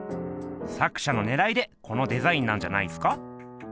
作者のねらいでこのデザインなんじゃないっすか？